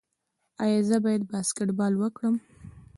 ایا زه باید باسکیټبال وکړم؟